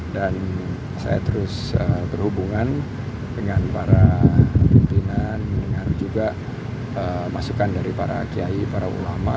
saya terus berhubungan dengan para pimpinan dengan juga masukan dari para kiai para ulama